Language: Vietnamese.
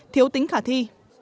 thiếu tính khả thi